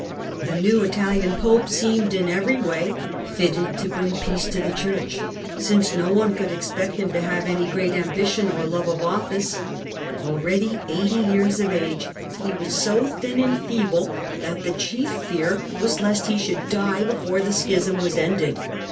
The new Italian Pope seemed in every way fitted to bring peace to the Church, since no one could expect him to have any great ambition or love of office. Already eighty years of age, he was so thin and feeble. SCHISMS IN THE PAPACY AND EMPIRE 119 that the chief fear was lest he should die before the Schism was ended.